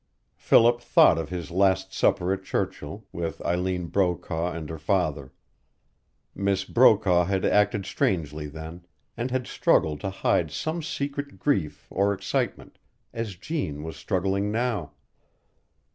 Philip thought of his last supper at Churchill, with Eileen Brokaw and her father. Miss Brokaw had acted strangely then, and had struggled to hide some secret grief or excitement, as Jeanne was struggling now.